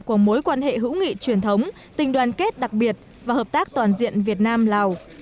của mối quan hệ hữu nghị truyền thống tình đoàn kết đặc biệt và hợp tác toàn diện việt nam lào